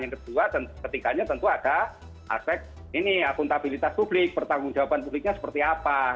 yang kedua dan ketiganya tentu ada aspek ini akuntabilitas publik pertanggung jawaban publiknya seperti apa